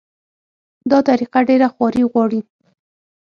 دا طریقه ډېره خواري غواړي.